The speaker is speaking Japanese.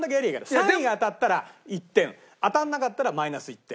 ３位が当たったら１点当たらなかったらマイナス１点。